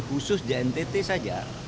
khusus di ntt saja